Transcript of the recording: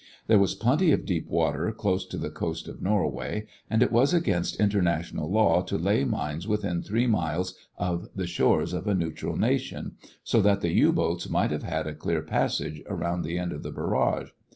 There was plenty of deep water close to the coast of Norway and it was against international law to lay mines within three miles of the shores of a neutral nation, so that the U boats might have had a clear passage around the end of the barrage.